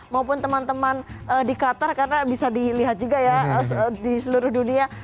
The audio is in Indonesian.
maupun teman teman di qatar karena bisa dilihat juga ya di seluruh dunia